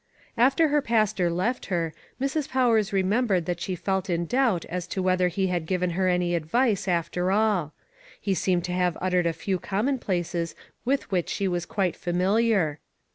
After her pastor left her, Mrs. Powers remembered that she felt in doubt as to whether he had given her any advice, after all. He seemed to have uttered a few commonplaces with which she was quite familiar.